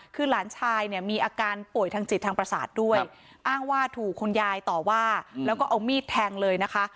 คือหลานชายเนี่ยมีอาการป่วยทางจิตทางประสาทด้วยอ้างว่าถูกคุณยายต่อว่าแล้วก็เอามีดแทงเลยนะคะ